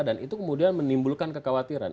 dan itu kemudian menimbulkan kekhawatiran